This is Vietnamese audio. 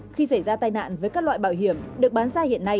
khi xảy ra tai nạn với các loại bảo hiểm được bán ra hiện nay